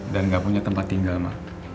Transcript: dan gak punya tempat tinggal ma